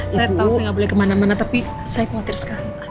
saya tahu saya nggak boleh kemana mana tapi saya khawatir sekali